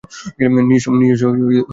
নিজস্ব বাহিনী তৈরী করেননি।